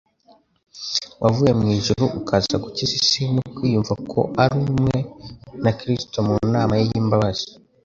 wavuye mu ijuru ukaza gukiza isi no kwiyumva ko ari umwe na Kristo mu nama ye y'imbabazi,